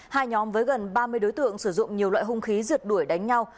hai nhóm với gần ba mươi đối tượng sử dụng nhiều loại hung khí rượt đuổi đánh nhau